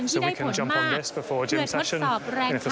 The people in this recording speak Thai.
เพื่อการเข้าพาเขาไปก่อนการได้โรคประเภท